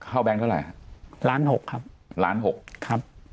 เข้าแบงค์เท่าไรล้านหกครับล้านหกครับ